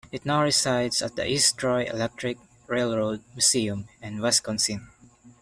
It now resides at the East Troy Electric Railroad Museum in Wisconsin.